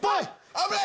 危ない！